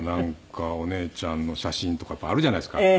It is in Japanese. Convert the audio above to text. お姉ちゃんの写真とかやっぱりあるじゃないですか。